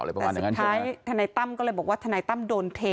สุดท้ายทนายตั้มก็เลยบอกว่าทนายตั้มโดนเท